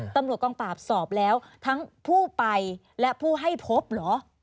ตำรวจกองปราบสอบแล้วทั้งผู้ไปและผู้ให้พบเหรอ